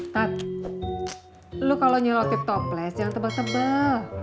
tat lo kalau nyelotip toples jangan tebal tebal